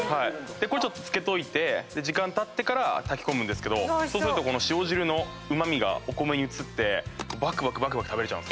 これちょっと漬けといて時間たってから炊き込むんですけどそうするとこの潮汁のうま味がお米に移ってばくばくばくばく食べれちゃう。